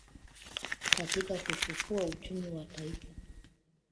katika kufufua uchumi wa taifa